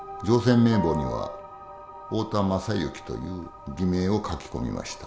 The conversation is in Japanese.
乗船名簿には太田政之という偽名を書き込みました。